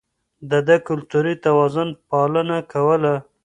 ده د کلتوري توازن پالنه کوله.